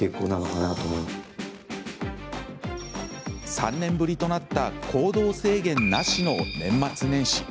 ３年ぶりとなった行動制限なしの年末年始。